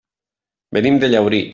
Venim de Llaurí.